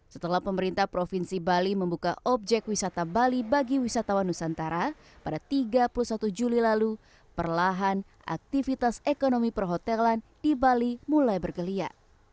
setelah pemerintah provinsi bali membuka objek wisata bali bagi wisatawan nusantara pada tiga puluh satu juli lalu perlahan aktivitas ekonomi perhotelan di bali mulai bergeliat